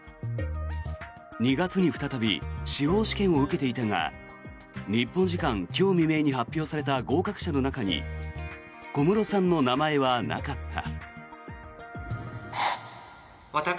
２月に再び司法試験を受けていたが日本時間今日未明に発表された合格者の中に小室さんの名前はなかった。